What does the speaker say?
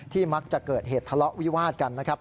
มักจะเกิดเหตุทะเลาะวิวาดกันนะครับ